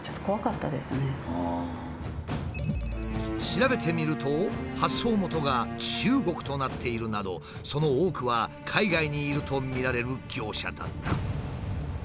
調べてみると発送元が中国となっているなどその多くは海外にいるとみられる業者だった。